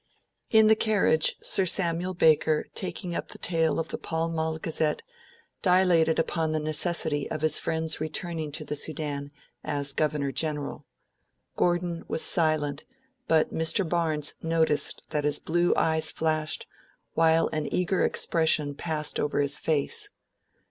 In the carriage, Sir Samuel Baker, taking up the tale of the "Pall Mall Gazette", dilated upon the necessity of his friend's returning to the Sudan as Governor General. Gordon was silent; but Mr. Barnes noticed that his blue eyes flashed, while an eager expression passed over his face.